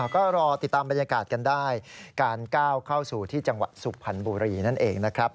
ก็รอติดตามบรรยากาศกันได้การก้าวเข้าสู่ที่จังหวัดสุพรรณบุรีนั่นเองนะครับ